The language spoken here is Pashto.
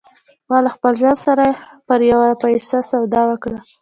ما له خپل ژوند سره پر يوه پيسه سودا وکړه.